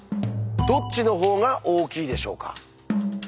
どっちの方が大きいでしょうか？